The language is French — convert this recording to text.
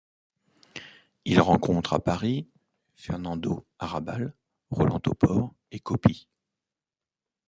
Il rencontre à Paris Fernando Arrabal, Roland Topor et Copi.